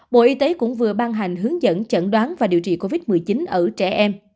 bộ y tế cũng vừa ban hành hướng dẫn chẩn đoán và điều trị covid một mươi chín ở trẻ em